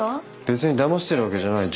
別にだましてるわけじゃない